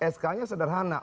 sk nya sederhana